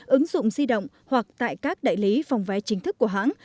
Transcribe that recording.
ứng dụng di động hoặc tại các đại lý phòng vé chính thức của hãng